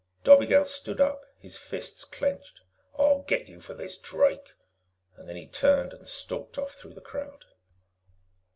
Dobigel stood up, his fists clenched. "I'll get you for this, Drake." Then he turned and stalked off through the crowd.